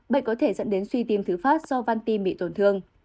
bệnh có thể dẫn đến suy tim thứ phát do van tim bị tổn thương